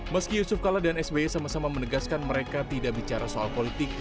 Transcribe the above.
meski yusuf kala dan sby sama sama menegaskan mereka tidak bicara soal politik